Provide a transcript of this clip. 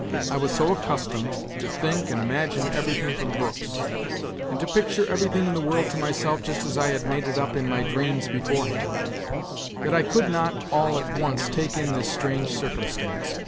I was so accus tomed to think and imagine everything from books, and to picture everything in the world to myself just as I had made it up in my dreams beforehand, that I could not all at once take in this strange circumstance.